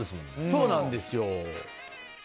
そうなんですよ。